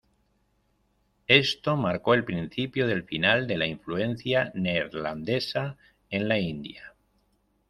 Esto marcó el principio del final de la influencia neerlandesa en la India.